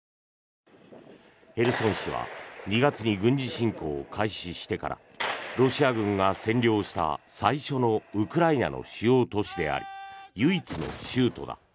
ヘルソン市は２月に軍事侵攻を開始してからロシア軍が占領した、最初のウクライナの主要都市であり唯一の州都だ。